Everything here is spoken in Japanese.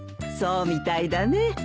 そうみたいだね。